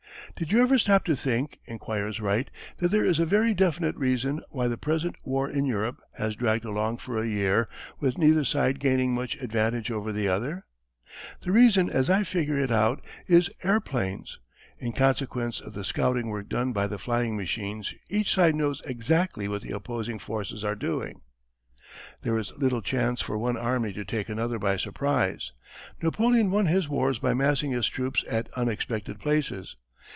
"Did you ever stop to think," inquires Wright, "that there is a very definite reason why the present war in Europe has dragged along for a year with neither side gaining much advantage over the other? The reason as I figure it out is airplanes. In consequence of the scouting work done by the flying machines each side knows exactly what the opposing forces are doing. "There is little chance for one army to take another by surprise. Napoleon won his wars by massing his troops at unexpected places.